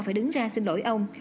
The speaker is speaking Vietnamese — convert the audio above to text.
phải đứng ra xin lỗi ông